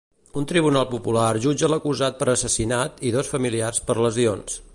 Un tribunal popular jutja l'acusat per assassinat i dos familiars per lesions.